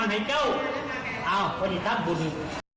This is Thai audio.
แบบนี้